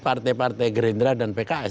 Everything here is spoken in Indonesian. partai partai gerindra dan pks